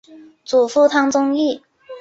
祖父汤宗义。